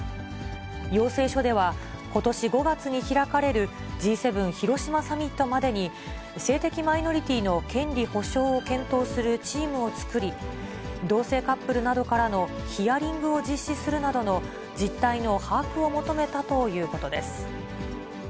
要請書では、ことし５月に開かれるＧ７広島サミットまでに、性的マイノリティーの権利保障を検討するチームを作り、同性カップルなどからのヒアリングを実施するなどの実態の把握を求めたということです。